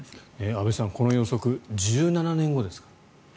安部さん、この予測１７年後ですから。